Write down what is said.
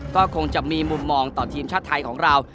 ก็คงจะมีมุมมองต่อทีมชาติไทยของเรา